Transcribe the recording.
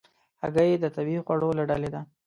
هګۍ د طبیعي خوړو له ډلې ده.